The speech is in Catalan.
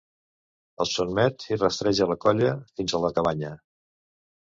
Els sotmet i rastreja la colla fins a la cabanya.